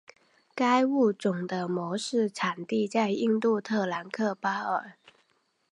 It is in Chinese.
该物种的模式产地在印度特兰克巴尔。